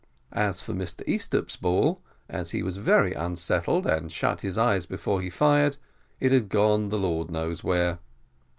As for Mr Easthupp's ball, as he was very unsettled, and shut his eyes before he fired, it had gone the Lord knows where.